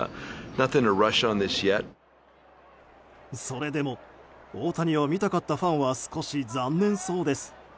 それでも大谷を見たかったファンは少し残念そうです。